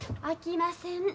あきません。